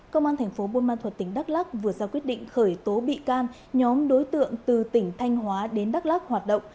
cơ quan tp buôn ma thuật tỉnh đắk lắc vừa ra quyết định khởi tố bị can nhóm đối tượng từ tỉnh thanh hóa đến đắk lắc hoạt động